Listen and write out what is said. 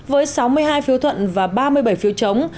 với sáu mươi hai phiếu thuận và ba mươi bảy phiếu chống